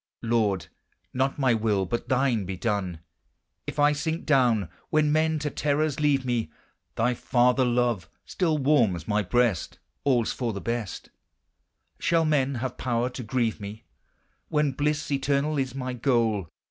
Lord, not my will, but thine, be done; If I sink down When men to terrors leave me, Thy father love still warms my breast; All's for the best; Shall men have power to grieve me, When bliss eternal is my goal.